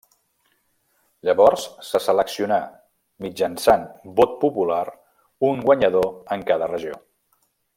Llavors se seleccionà, mitjançant vot popular, un guanyador en cada regió.